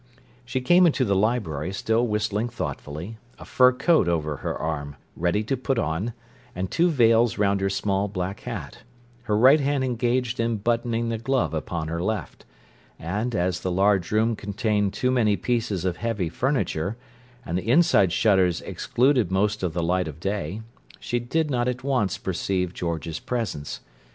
She came into the library, still whistling thoughtfully, a fur coat over her arm, ready to put on, and two veils round her small black hat, her right hand engaged in buttoning the glove upon her left; and, as the large room contained too many pieces of heavy furniture, and the inside shutters excluded most of the light of day, she did not at once perceive George's presence.